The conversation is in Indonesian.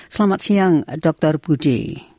selamat siang dr budi